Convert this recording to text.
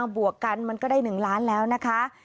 บวกกันมันก็ได้๑ล้านแล้วนะคะ